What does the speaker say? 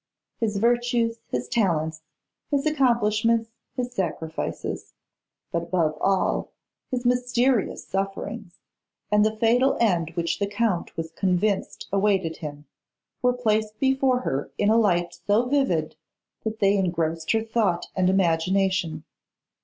His virtues, his talents, his accomplishments, his sacrifices; but, above all, his mysterious sufferings, and the fatal end which the Count was convinced awaited him, were placed before her in a light so vivid that they engrossed her thought and imagination.